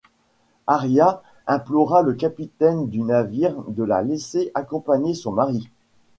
Arria implora le capitaine du navire de la laisser accompagner son mari.